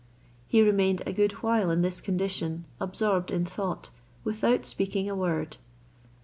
He remained a good while in this condition, absorbed in thought, without speaking a word.